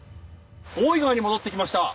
大井川に戻ってきました。